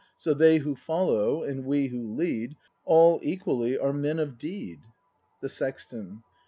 So they who follow, and we who lead, All equally are men of deed. The Sexton.